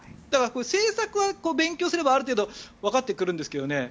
政策は勉強すればある程度わかってくるんですけどね